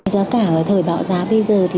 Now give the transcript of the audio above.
do cả thời bạo giá bây giờ thì